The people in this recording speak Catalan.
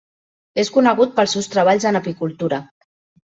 És conegut pels seus treballs en apicultura.